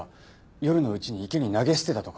夜のうちに池に投げ捨てたとか。